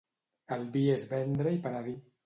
El vi és vendre i penedir.